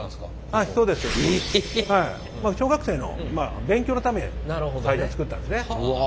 はいそうです。小学生の勉強のため最初作ったんですね。